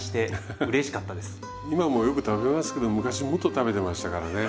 今もよく食べますけど昔もっと食べてましたからね。